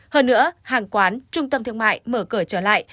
hơn nữa hàng quán trung tâm thương mại mở cửa trở lại